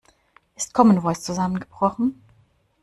Ist Common Voice zusammengebrochen?